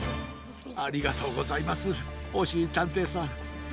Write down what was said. ありがとうございますおしりたんていさん。